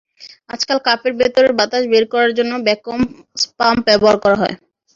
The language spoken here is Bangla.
আজকাল কাপের ভেতরের বাতাস বের করার জন্য ভ্যাকুয়াম পাম্প ব্যবহার করা হয়।